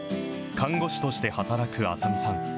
看護師として働く麻美さん。